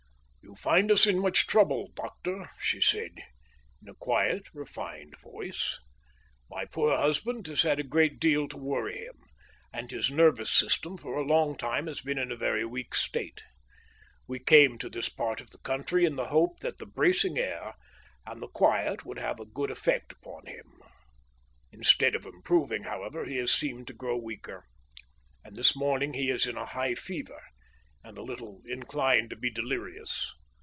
"You find us in much trouble, doctor," she said, in a quiet, refined voice. "My poor husband has had a great deal to worry him, and his nervous system for a long time has been in a very weak state. We came to this part of the country in the hope that the bracing air and the quiet would have a good effect upon him. Instead of improving, however, he has seemed to grow weaker, and this morning he is in a high fever and a little inclined to be delirious.